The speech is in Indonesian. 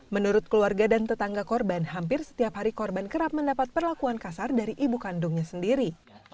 menurut keluarga dan tetangga korban hampir setiap hari korban kerap mendapat perlakuan kasar dari ibu kandungnya sendiri